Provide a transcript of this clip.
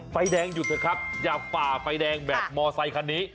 ไฟแดงหยุดเถอะครับอย่าฝ่าไฟแดงแบบมอไซคันนี้